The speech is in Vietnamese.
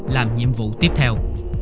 làm nhiệm vụ tiếp theo